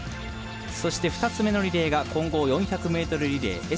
そして２つ目のリレーが混合４００ｍリレーＳ１４